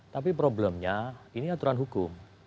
tapi problemnya ini aturan hukum